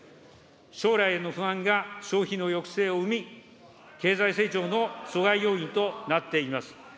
将来への不安が消費の抑制を生み、経済成長の阻害要因となっています。